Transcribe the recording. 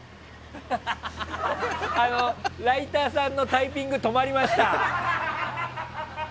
ライターさんのタイピングが止まりました。